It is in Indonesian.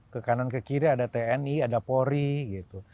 ke kanan ke kiri ada tni ada pori gitu